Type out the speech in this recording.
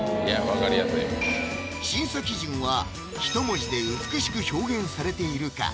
分かりやすい審査基準は一文字で美しく表現されているか